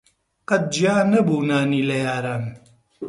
قەت جیا نەبوو نانی لە یاران